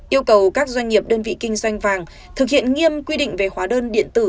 yêu cầu các doanh nghiệp đơn vị kinh doanh vàng thực hiện nghiêm quy định về hóa đơn điện tử